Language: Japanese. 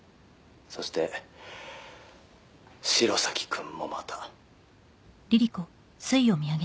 「そして城崎君もまた」